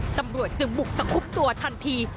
ตำรวจจึงบุกตะคุบตัวทันที